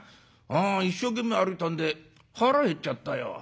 一生懸命歩いたんで腹減っちゃったよ。